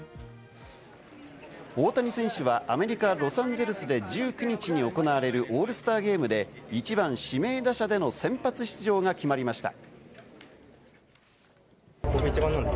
大谷選手はアメリカ・ロサンゼルスで１９日に行われるオールスターゲームで、１番・指名打者での先発出場が決まりました。